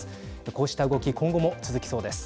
こうした動き今後も続きそうです。